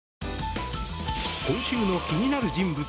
今週の気になる人物